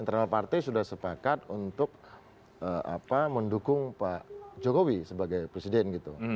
karena internal partai sudah sepakat untuk mendukung pak jokowi sebagai presiden